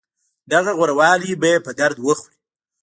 دغه غوره والی به يې په درد وخوري.